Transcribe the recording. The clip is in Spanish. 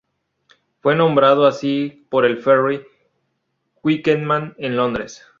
Fue nombrado así por el ferry Twickenham en Londres.